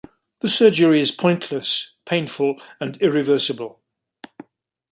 The surgery is pointless, painful and irreversible.